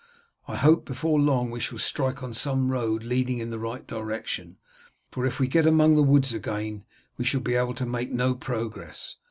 I hope before long we shall strike on some road leading in the right direction, for if we get among the woods again we shall be able to make no progress.